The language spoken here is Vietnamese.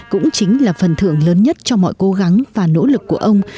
cũng chính là phần thưởng lớn nhất cho mọi cố gắng và nỗ lực của ông